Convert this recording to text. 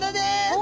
お！